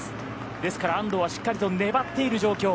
ですから、安藤はしっかりと粘っている状況。